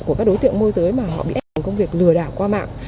của các đối tiện môi giới mà họ bị ép làm công việc lừa đảo qua mạng